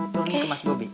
turunin ke mas bopi